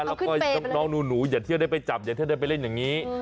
แล้วก็น้องหนูอย่าเที่ยวได้ไปจับอย่าเที่ยวได้ไปเล่นอย่างนี้